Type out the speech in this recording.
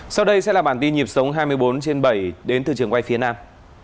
sau đây sẽ là bản tin nhịp sống hai mươi bốn trên bảy đến từ trường quay phía nam